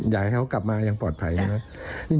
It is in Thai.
อยากให้เขากลับมาอย่างปลอดภัยใช่ไหม